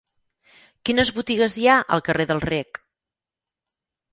Quines botigues hi ha al carrer del Rec?